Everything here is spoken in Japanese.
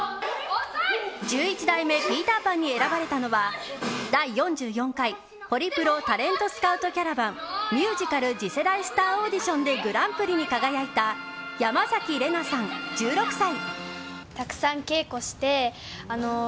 １１代目ピーター・パンに選ばれたのは第４４回ホリプロタレントスカウトキャラバンミュージカル次世代スターオーディションでグランプリに輝いた山崎玲奈さん１６歳。